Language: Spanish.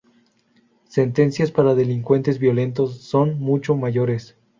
Sentencias para delincuentes violentos son mucho mayores.